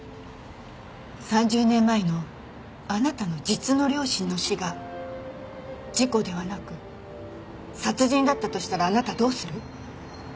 ３０年前のあなたの実の両親の死が事故ではなく殺人だったとしたらあなたどうする？